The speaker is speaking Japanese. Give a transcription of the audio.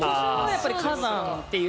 やっぱり火山っていう。